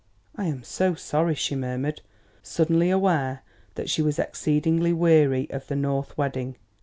"I am so sorry," she murmured, suddenly aware that she was exceedingly weary of the North wedding.